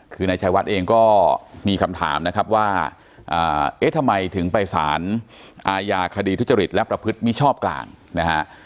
คือนายชายวัดเองก็มีคำถามนะครับว่าเอ๊ะทำไมถึงไปสารอาญาคดีทุจริตและประพฤติมิชอบกลางนะฮะ